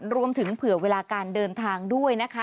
เผื่อเวลาการเดินทางด้วยนะคะ